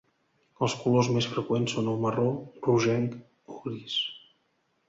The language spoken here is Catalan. Els colors més freqüents són el marró, rogenc o gris.